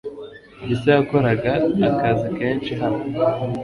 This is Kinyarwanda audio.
Gisa yakoraga akazi kenshi hano .